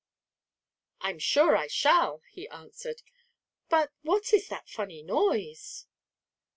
"I'm sure I shall," he answered. "But what is that funny noise?"